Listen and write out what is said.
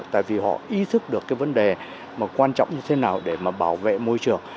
tại vì họ ý thức được cái vấn đề mà quan trọng như thế nào để mà bảo vệ môi trường